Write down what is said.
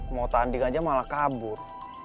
mau tanding aja malah kabur